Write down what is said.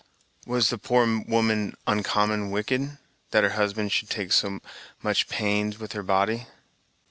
"Was the poor woman oncommon wicked, that her husband should take so much pains with her body?"